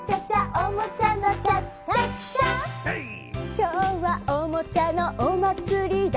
「きょうはおもちゃのおまつりだ」